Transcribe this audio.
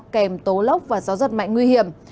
kèm tố lốc và gió giật mạnh nguy hiểm